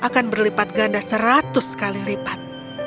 akan berlipat ganda seratus kali lipat